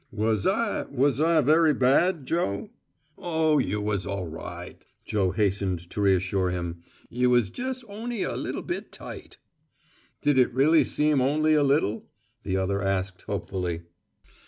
"Was I was I very bad, Joe?" "Oh, you was all right," Joe hastened to reassure him. "You was jes' on'y a little bit tight." "Did it really seem only a little?" the other asked hopefully.